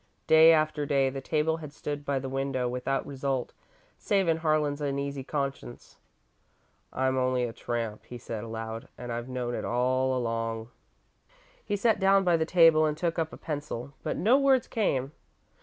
Day after day the table had stood by the window, without result, save in Harlan's uneasy conscience. "I'm only a tramp," he said, aloud, "and I've known it, all along." He sat down by the table and took up a pencil, but no words came.